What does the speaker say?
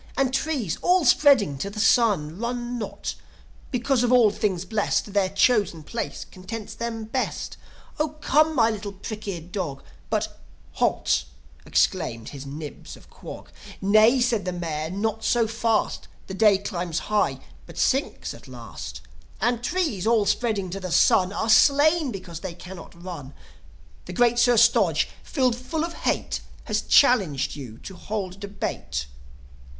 And trees, all spreading to the sun, Run not, because, of all things blest, Their chosen place contents them best. 0 come, my little prick eared dog!" ... But, "Halt!" exclaimed his Nibs of Quog. "Nay," said the Mayor. "Not so fast! The day climbs high, but sinks at last. And trees, all spreading to the sun, Are slain because they cannot run. The great Sir Stodge, filled full of hate, Has challenged you to hold debate.